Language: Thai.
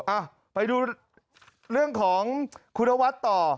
อ่ะไปดูเรื่องของคุณนวัดต่อ